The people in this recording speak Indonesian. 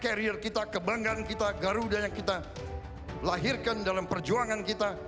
karier kita kebanggaan kita garuda yang kita lahirkan dalam perjuangan kita